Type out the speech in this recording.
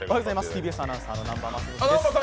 ＴＢＳアナウンサーの南波です。